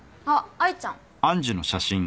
愛ちゃん？